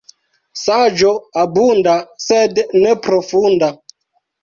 Saĝo abunda, sed ne profunda.